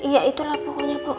ya itulah pokoknya bu